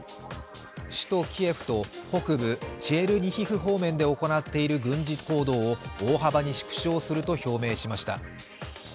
首都キエフと北部チェルニヒフ方面で行っている軍事行動を大幅に縮小すると表明しました。